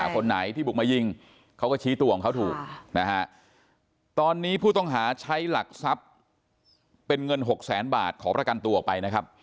คนไหนที่บุกมายิงเขาก็ชี้ตัวของเขาถูกนะฮะตอนนี้ผู้ต้องหาใช้หลักทรัพย์เป็นเงิน๖แสนบาทขอประกันตัวออกไปนะครับ